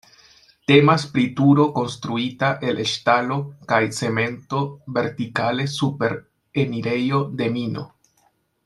Temas pri turo konstruita el ŝtalo kaj cemento vertikale super enirejo de mino.